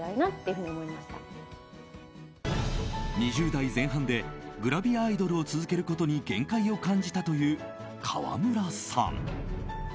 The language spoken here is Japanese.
２０代前半でグラビアアイドルを続けることに限界を感じたという川村さん。